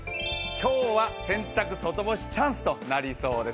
今日は洗濯外干しチャンスとなりそうです。